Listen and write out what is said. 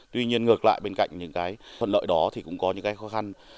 tuy nhiên ngược lại bên cạnh những cái thuận lợi đó thì cũng có những cái khó khăn